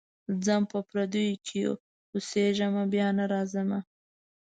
ځم په پردیو کي اوسېږمه بیا نه راځمه.